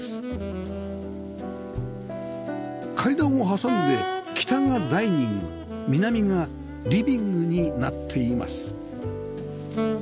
階段を挟んで北がダイニング南がリビングになっています